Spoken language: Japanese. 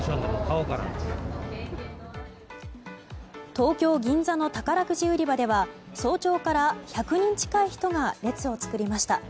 東京・銀座の宝くじ売り場では早朝から１００人近い人が列を作りました。